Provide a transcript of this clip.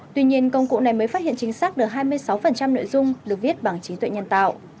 tuy nhiên công cụ này mới phát hiện chính xác được hai mươi sáu nội dung được viết bằng trí tuệ nhân tạo